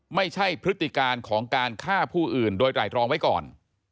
พฤติการของการฆ่าผู้อื่นโดยไตรรองไว้ก่อน